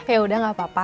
eh udah gak apa apa